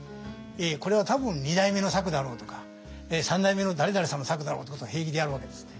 これは多分二代目の作だろうとか三代目の誰々さんの作だろうってことを平気でやるわけですね。